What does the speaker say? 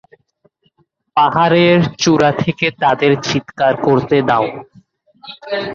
পাহাড়ের চূড়া থেকে তাদের চিৎকার করতে দাও।